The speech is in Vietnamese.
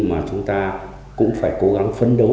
mà chúng ta cũng phải cố gắng phấn đấu